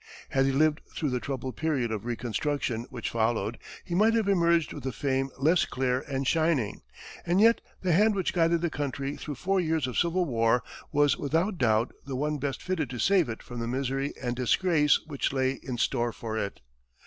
Had he lived through the troubled period of Reconstruction which followed, he might have emerged with a fame less clear and shining; and yet the hand which guided the country through four years of Civil War, was without doubt the one best fitted to save it from the misery and disgrace which lay in store for it.